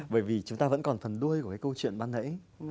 bởi vì chúng ta vẫn còn thần đuôi của cái câu chuyện ban nãy